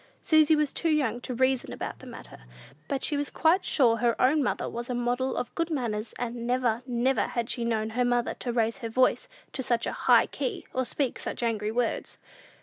Susy was too young to reason about the matter; but she was quite sure her own mother was a model of good manners; and never, never had she known her mother to raise her voice to such a high key, or speak such angry words!